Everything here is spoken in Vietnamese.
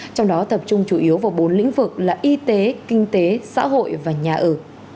trong đó tập trung chủ yếu vào bốn lĩnh vực là y tế kinh tế xã hội và nhà ở